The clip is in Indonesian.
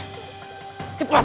terima kasih raden is